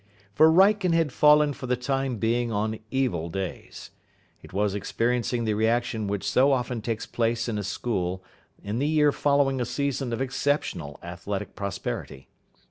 For Wrykyn had fallen for the time being on evil days. It was experiencing the reaction which so often takes place in a school in the year following a season of exceptional athletic prosperity.